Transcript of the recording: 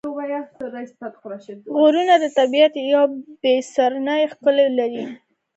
غرونه د طبیعت یوه بېساري ښکلا لري.